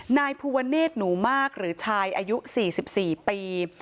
นายภูวะเนธหนูมากหรือชายอายุ๔๔ปี